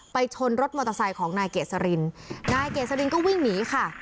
ชนรถมอเตอร์ไซค์ของนายเกษรินนายเกษรินก็วิ่งหนีค่ะ